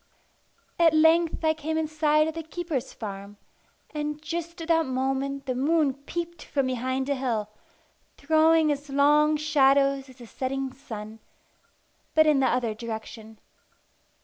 At length I came in sight of the keeper's farm; and just at that moment the moon peeped from behind a hill, throwing as long shadows as the setting sun, but in the other direction.